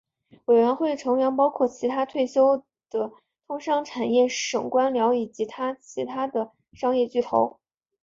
委员会成员包括其它退休的通商产业省官僚以及其它的商业巨头。